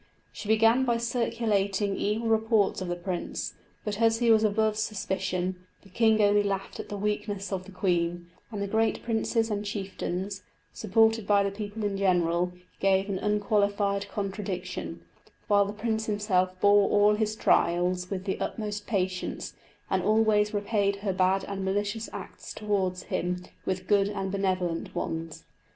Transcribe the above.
She began by circulating evil reports of the prince; but, as he was above suspicion, the king only laughed at the weakness of the queen; and the great princes and chieftains, supported by the people in general, gave an unqualified contradiction; while the prince himself bore all his trials with the utmost patience, and always repaid her bad and malicious acts towards him with good and benevolent ones.